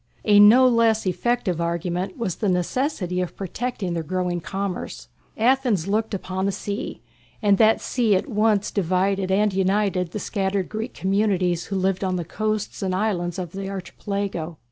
A no less effective argument was the necessity of protecting their growing commerce. Athens looked upon the sea, and that sea at once divided and united the scattered Greek communities who lived on the coasts and islands of the Archipelago.